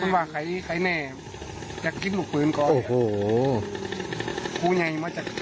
เป็นว่าใครแน่อยากกินหมุกพื้นก่อน